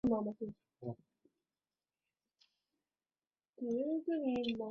故事主要分成六段以讲述六篇发生在美国边界的西部故事。